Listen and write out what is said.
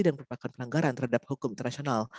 dan perpakat peranggaran terhadap hukum internasional